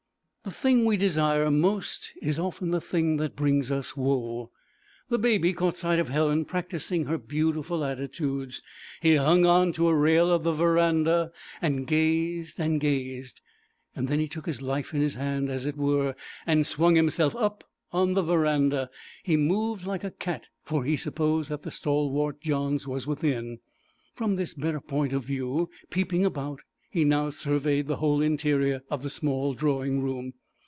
The thing we desire most is often the thing that brings us woe. The Baby caught sight of Helen practising her beautiful attitudes. He hung on to a rail of the verandah, and gazed and gazed. Then he took his life in his hand, as it were, and swung himself up on the verandah; he moved like a cat, for he supposed that the stalwart Johns was within. From this better point of view, peeping about, he now surveyed the whole interior of the small drawing room.